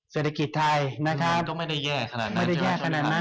เศรษฐกิจไทยก็ไม่ได้แย่ขนาดนั้น